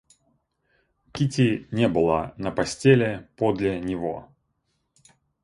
Кити не было на постели подле него.